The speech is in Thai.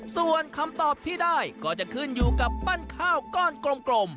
ส่วนคำตอบที่ได้ก็จะขึ้นอยู่กับปั้นข้าวก้อนกลม